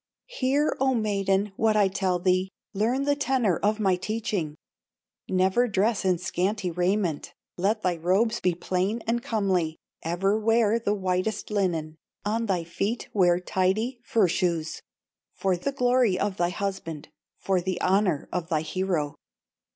"Hear, O maiden, what I tell thee, Learn the tenor of my teaching: Never dress in scanty raiment, Let thy robes be plain and comely, Ever wear the whitest linen, On thy feet wear tidy fur shoes, For the glory of thy husband, For the honor of thy hero.